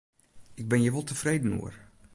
Ik bin hjir wol tefreden oer.